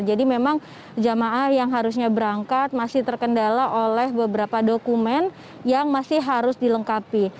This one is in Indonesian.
jadi memang jemaah yang harusnya berangkat masih terkendala oleh beberapa dokumen yang masih harus dilengkapi